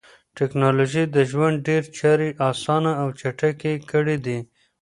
ټکنالوژي د ژوند ډېری چارې اسانه او چټکې کړې دي.